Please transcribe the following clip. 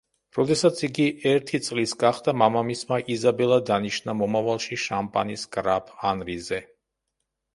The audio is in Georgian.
როდესაც იგი ერთი წლის გახდა, მამამისმა იზაბელა დანიშნა მომავალში შამპანის გრაფ ანრიზე.